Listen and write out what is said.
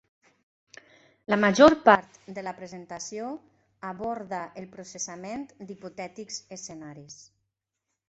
La major part de la presentació aborda el processament d'hipotètics escenaris.